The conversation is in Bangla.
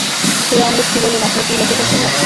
ফিরআউনের স্ত্রী বললেন, আপনি কি লক্ষ্য করছেন না?